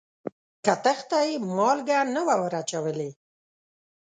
کتغ ته یې مالګه نه وه وراچولې.